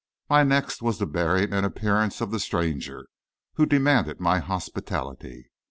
My next was the bearing and appearance of the stranger who demanded my hospitality.